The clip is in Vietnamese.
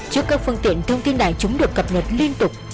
trước các phương tiện thông tin đại chúng được cập nhật liên tục